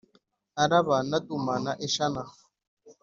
Araba na duma na eshana